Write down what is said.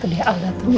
tuh dia al dateng